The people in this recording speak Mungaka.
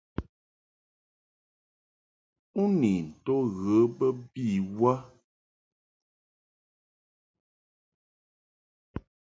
U ni nto ghə bə bi wə ?